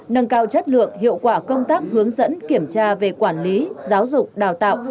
nâng cao chất lượng hiệu quả công tác hướng dẫn kiểm tra về quản lý giáo dục đào tạo